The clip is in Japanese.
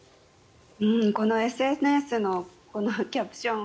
このＳＮＳのキャプション